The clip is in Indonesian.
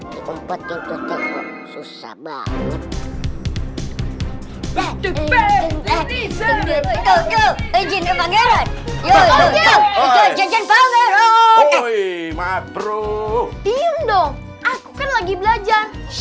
tiongkok aku kan lagi belajar